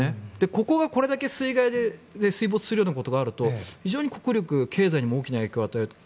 ここが、これだけ水害で水没するようなことがあると非常に国力、経済にも大きな影響を与えると。